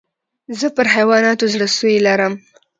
زه پر حیواناتو زړه سوى لرم.